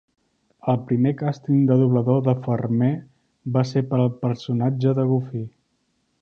El primer càsting de doblador de Farmer va ser per al personatge de Goofy.